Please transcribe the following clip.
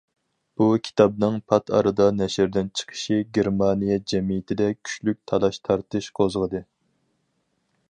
بۇ كىتابنىڭ پات ئارىدا نەشردىن چىقىشى گېرمانىيە جەمئىيىتىدە كۈچلۈك تالاش تارتىش قوزغىدى.